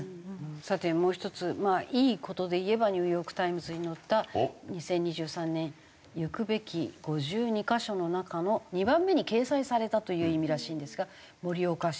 さてもう１ついい事で言えば『ニューヨーク・タイムズ』に載った「２０２３年に行くべき５２カ所」の中の２番目に掲載されたという意味らしいんですが盛岡市。